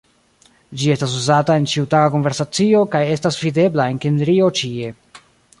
Ĝi estas uzata en ĉiutaga konversacio kaj estas videbla en Kimrio ĉie.